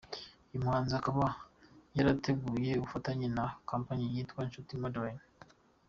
Uyu muhanzi akaba yaragiteguye ku bufatanye na kompanyi yitwa Nshuti modeling.